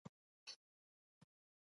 د لعل او سرجنګل هوا سړه ده